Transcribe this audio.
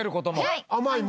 はい。